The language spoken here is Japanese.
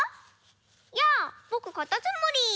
やあぼくかたつむり！